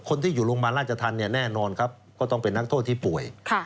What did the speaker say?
คนที่อยู่โรงพยาบาลราชธรรมเนี่ยแน่นอนครับก็ต้องเป็นนักโทษที่ป่วย